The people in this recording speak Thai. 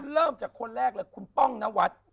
เริ่มจากคนแรกเลยคุณป้องนวัด